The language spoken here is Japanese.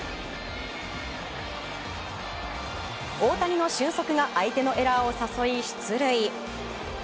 大谷の俊足が相手のエラーを誘い、出塁。